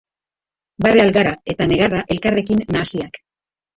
Barre algara eta negarra elkarrekin nahasiak.